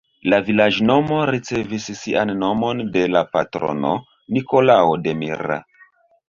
La vilaĝnomo ricevis sian nomon de la patrono Nikolao de Mira.